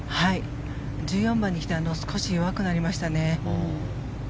１４番に来て少し弱くなりましたね。